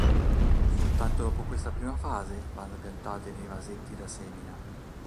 Soltanto dopo questa prima fase vanno piantati nei vasetti da semina.